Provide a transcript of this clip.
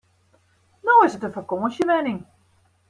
No is it in fakânsjewenning.